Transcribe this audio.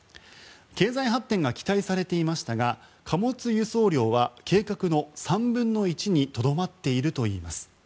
経済発展が期待されていましたが貨物輸送量は計画の３分の１にとどまっているといいます。